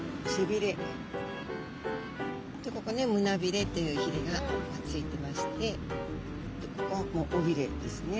でここに胸びれというひれがついてましてここは尾びれですね。